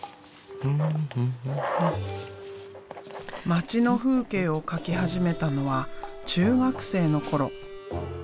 街の風景を描き始めたのは中学生の頃。